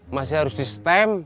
masih harus di stem